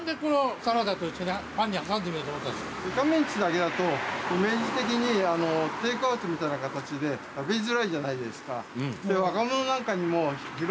イカメンチだけだとイメージ的にテークアウトみたいな形で食べづらいじゃないですか。